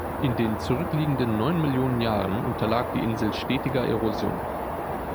In den zurückliegenden neun Millionen Jahren unterlag die Insel stetiger Erosion.